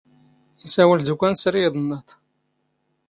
ⵉⵙⴰⵡⵍ ⴷ ⵓⴽⴰⵏ ⵙⵔⵉ ⵉⴹⵏⵏⴰⵟ.